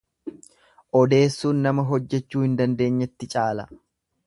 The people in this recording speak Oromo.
Odeessuun nama hojjechuu hin dandeenyetti caala.